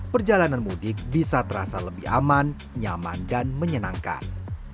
perjalanan mudik bisa terasa lebih aman nyaman dan menyenangkan